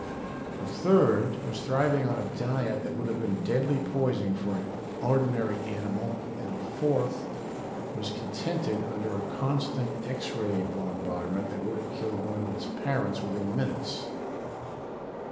A third was thriving on a diet that would have been deadly poison for an ordinary animal and a fourth was contented under a constant X ray bombardment that would have killed one of its parents within minutes.